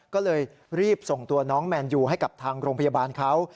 ก็เลยรีบส่งตัวน้องแมนยูให้กับทางโรงพยาบาลเขา